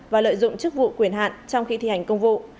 và lợi dụng chức vụ quyền hạn trong khi thi hành công vụ